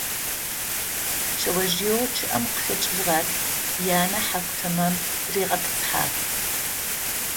Шъэожъыеу чъыӏэм къыхэкӏыжьыгъэр янэ хьаку тамэм тыригъэтӏысхьагъ.